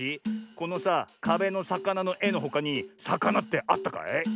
このさかべのさかなのえのほかにさかなってあったかい？